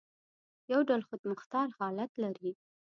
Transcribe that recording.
یو ډول خودمختار حالت لري.